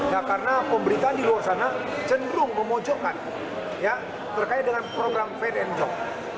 ya karena pemberitaan di luar sana cenderung memojokan ya terkait dengan program ferencjov